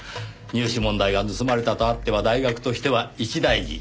入試問題が盗まれたとあっては大学としては一大事。